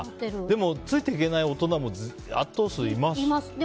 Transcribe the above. でも、ついていけない大人も一定数いますしね。